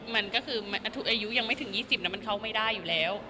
มันก็คืออายุยังไม่ถึง๒๐มันเข้าไม่ได้อยู่แล้ว